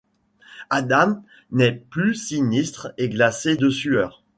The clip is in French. Adam n’est plus sinistre et glacé de sueur.